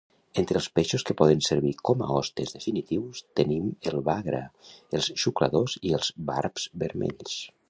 Entre els peixos que poden servir com a hostes definitius, tenim el bagra, els xucladors i els barbs vermells.